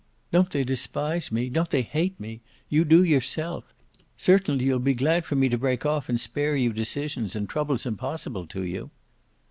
"Don't they despise me don't they hate me? You do yourself! Certainly you'll be glad for me to break off and spare you decisions and troubles impossible to you."